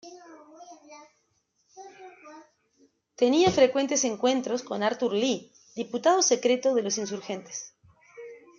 Tenía frecuentes encuentros con Arthur Lee, diputado secreto de los insurgentes.